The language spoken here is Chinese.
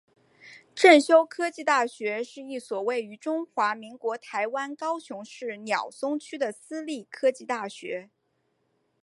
正修科技大学是一所位于中华民国台湾高雄市鸟松区的私立科技大学。